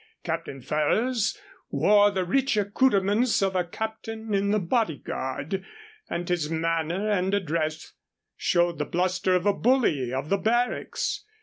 Captain Ferrers wore the rich accouterments of a captain in the Body guard, and his manner and address showed the bluster of a bully of the barracks.